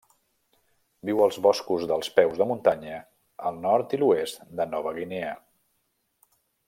Viu als boscos dels peus de muntanya al nord i l'oest de Nova Guinea.